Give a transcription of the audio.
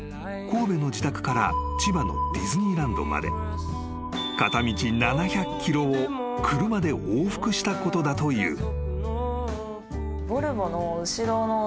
［神戸の自宅から千葉のディズニーランドまで片道７００ｋｍを車で往復したことだという］